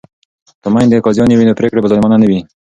که میندې قاضیانې وي نو پریکړې به ظالمانه نه وي.